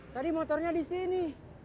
tadi motornya disini